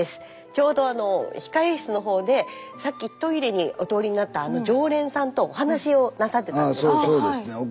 ちょうど控え室のほうでさっきトイレにお通りになったあの常連さんとお話をなさってたんですって。